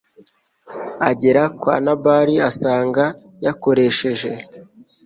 agera kwa Nabali asanga yakoresheje